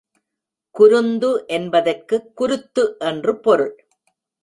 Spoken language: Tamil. குருந்து என்பதற்குக் குருத்து என்று பொருள்.